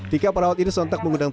tiga perawat ini sontak mengundang